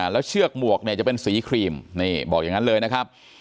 แล้วเชือกหมวกเนี่ยจะเป็นสีครีมนี่บอกอย่างนั้นเลยนะครับ